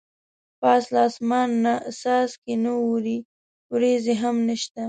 پاس له اسمان نه څاڅکي نه اوري ورېځې هم نشته.